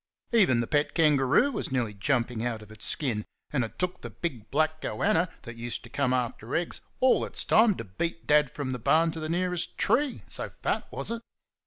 Even the pet kangaroo was nearly jumping out of its skin; and it took the big black "goanna" that used to come after eggs all its time to beat Dad from the barn to the nearest tree, so fat was it.